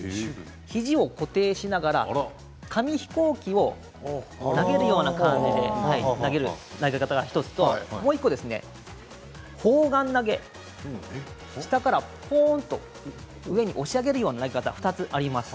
肘を固定しながら紙飛行機を投げるような感じそういうふうに投げる投げ方が１つもう１つは砲丸投げ下からぽんと上に押し上げるような投げ方の２つがあります。